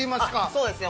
◆そうですね。